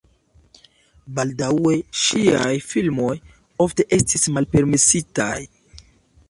Baldaŭe ŝiaj filmoj ofte estis malpermesitaj.